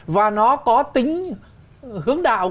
và nó có tính hướng đạo